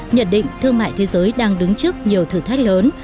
nhận định thương mại thế giới đang đứng trước nhiều thử thách lớn